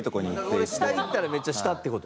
これ下いったらめっちゃ下って事？